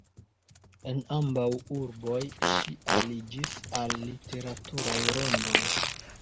En ambaŭ urboj ŝi aliĝis al literaturaj rondoj.